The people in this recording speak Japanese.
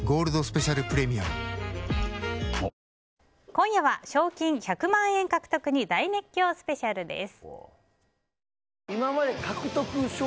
今夜は賞金１００万円獲得に大熱狂スペシャルです。